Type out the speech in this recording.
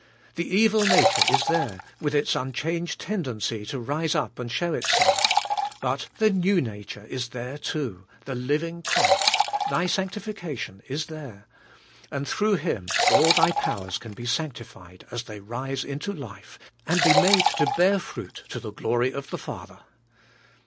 The evil nature is there, with its unchanged tendency to rise up and show itself. But the new nature is there too, — the living Christ, thy sanctification, is there, — and through Him all thy powers can be sanctified as they rise into life, and be made to bear fruit to the glory of the Father.